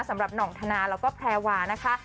สำหรับหน่องธนาแล้วก็แพรวานะคะ